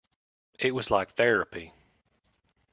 It was like therapy.